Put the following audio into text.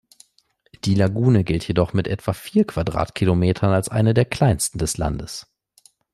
Die Lagune gilt jedoch mit etwa vier Quadratkilometern als eine der kleinsten des Landes.